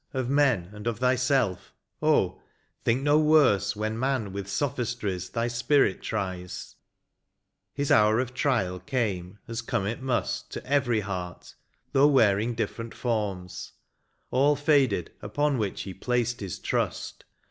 Of men and of thyself, oh, think no worse When man with sophistries thy spirit tries. His hour of trial came, as come it must. To every heart, though wearing diflferent forms ; All faded upon which he placed his trust.